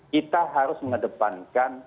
kita harus mengedepankan